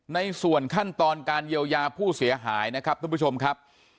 ในส่วนขั้นตอนการเยียวยาผู้เสียหายนะครับทุกผู้ชมครับ